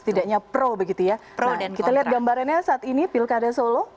tidaknya pro begitu ya kita lihat gambarannya saat ini pilkada solo